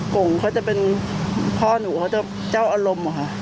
กงเขาจะเป็นพ่อหนูเขาจะเจ้าอารมณ์ค่ะ